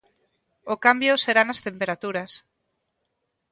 O cambio será nas temperaturas.